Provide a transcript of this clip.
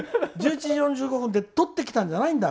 １１時４５分でとってきたんじゃないんだ。